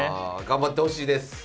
頑張ってほしいです。